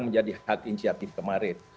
menjadi hak inisiatif kemarin